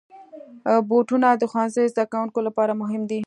بوټونه د ښوونځي زدهکوونکو لپاره مهم دي.